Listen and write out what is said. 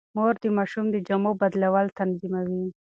مور د ماشوم د جامو بدلول تنظيموي.